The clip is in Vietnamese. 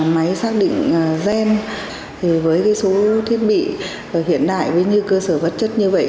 máy xác định gen với số thiết bị hiện đại với cơ sở vật chất như vậy